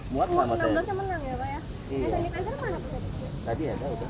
bukan pak oh ini